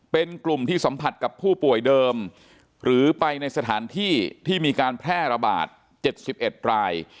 เป็นกลุ่มที่สัมผัสกับผู้ป่วยเดิมหรือไปในสถานที่ที่มีการแพร่ระบาด๗๑ราย